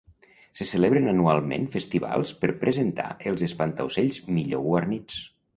Se celebren anualment festivals per presentar els espantaocells millor guarnits.